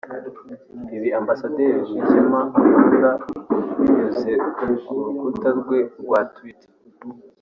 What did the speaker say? Ibi Ambasaderi Rugira Amandin binyuze ku rukuta rwe rwa Twitter